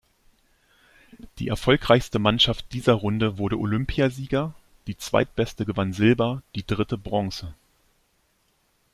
Die erfolgreichste Mannschaft dieser Runde wurde Olympiasieger, die zweitbeste gewann Silber, die dritte Bronze.